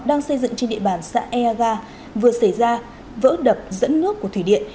đang xây dựng trên địa bàn xã ea ba vừa xảy ra vỡ đập dẫn nước của thủy điện